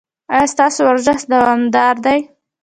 ایا ستاسو ورزش دوامدار دی؟